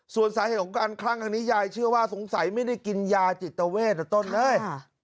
ส่วนสาเหตุของการคลั่งครั้งนี้ยายเชื่อว่าสงสัยไม่ได้กินยาจิตเวทต้นเลย